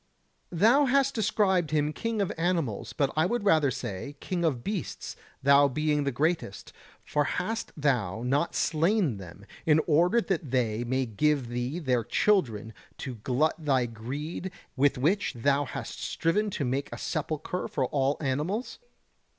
Thou hast described him king of animals, but I would rather say, king of beasts, thou being the greatest for hast thou not slain them in order that they may give thee their children to glut thy greed with which thou hast striven to make a sepulchre for all animals?